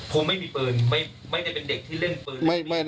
คงไม่มีปืนไม่ได้เป็นเด็กที่เล่นปืน